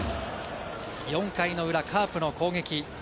４回裏、カープの攻撃。